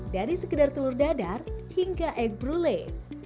dari sekedar telur dadar hingga egg brulee